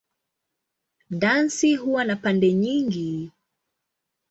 Dansi huwa na pande nyingi.